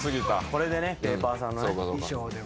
これでペーパーさんのね。